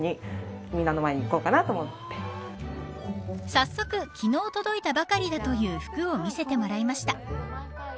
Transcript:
早速、昨日届いたばかりだという服を見せてもらいました。